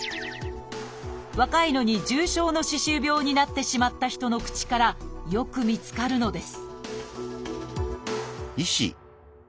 若いのに重症の歯周病になってしまった人の口からよく見つかるのです